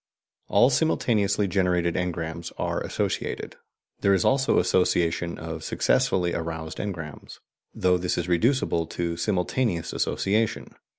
All simultaneously generated engrams are associated; there is also association of successively aroused engrams, though this is reducible to simultaneous association.